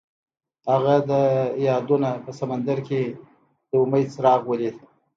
هغه د یادونه په سمندر کې د امید څراغ ولید.